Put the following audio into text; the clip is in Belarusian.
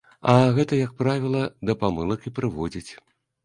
А гэта, як правіла, да памылак і прыводзіць.